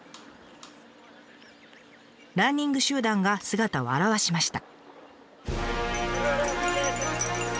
ランニング集団が姿を現しました。